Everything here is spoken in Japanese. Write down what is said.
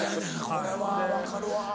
これは分かるわ。